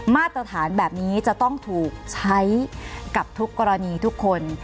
มาตรฐานแบบนี้จะต้องถูกใช้กับทุกกรณีทุกคน